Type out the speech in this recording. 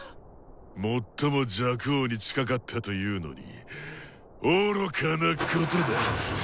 最も若王に近かったというのに愚かなことだ。